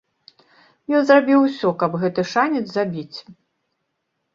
Ён зрабіў усё, каб гэты шанец забіць.